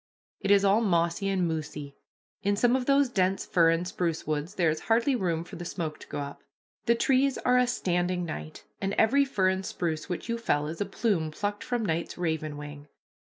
It is all mossy and moosey. In some of those dense fir and spruce woods there is hardly room for the smoke to go up. The trees are a standing night, and every fir and spruce which you fell is a plume plucked from night's raven wing.